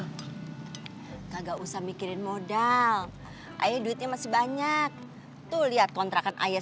kagak usah mikirin modal ayah duitnya masih banyak tuh lihat kontrakan ayah